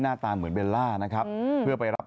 หน้าตาเหมือนเบลล่านะครับ